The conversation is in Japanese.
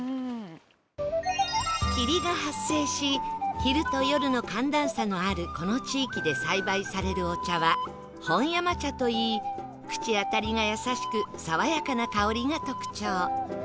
霧が発生し昼と夜の寒暖差のあるこの地域で栽培されるお茶は本山茶といい口当たりが優しく爽やかな香りが特徴